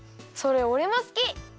それおれもすき。